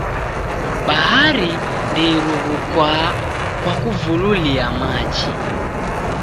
Bahari ndeiruwukwaa kwa kuvululia machi.